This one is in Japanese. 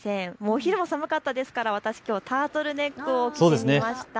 お昼も寒かったですから私、きょうタートルネックを着てみました。